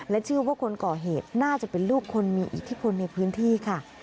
เชื่อว่าคนก่อเหตุน่าจะเป็นลูกคนมีอิทธิพลในพื้นที่ค่ะ